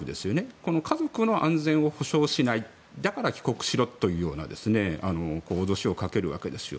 この家族の安全を保障しないだから帰国しろというような脅しをかけるわけですよ。